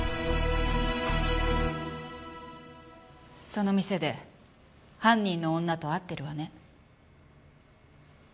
その店で犯人の女と会ってるわね？